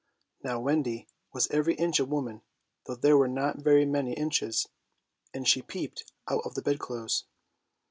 Now Wendy was every inch a woman, though there were not very many inches, and she peeped out of the bed clothes.